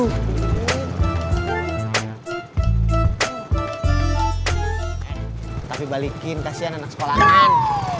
eh tapi balikin kasian anak sekolah kan